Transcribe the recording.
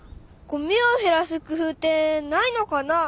ごみをへらす工夫ってないのかな？